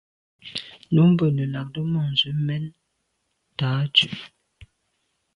Nǔmmbə̂ nə làʼdə̌ mα̂nzə mɛ̀n tâ Dʉ̌’.